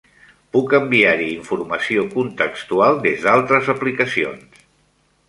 Puc enviar-hi informació contextual des d' altres aplicacions.